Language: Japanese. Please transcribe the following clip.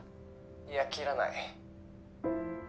いや切らない。